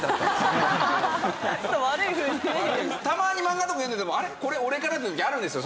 たまに漫画とか読んでても「あれ？これ俺かな？」っていう時あるんですよ。